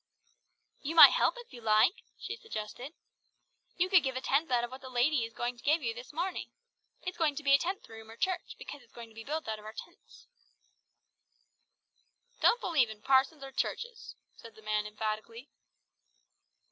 "You might help if you like," she suggested. "You could give a tenth out of what the lady is going to give you this morning. It's going to be a tenth room or church, because it's going to be built out of our tenths." "Don't believe in parsons or churches," said the man emphatically.